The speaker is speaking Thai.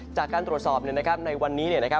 จากการตรวจสอบในวันนี้นะครับ